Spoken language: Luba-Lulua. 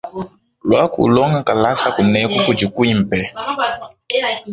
Luaku ulonga kalasa kunueku kudi kuimpe.